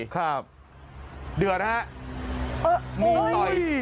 ครับเดือดฮะมีอย่างต่อย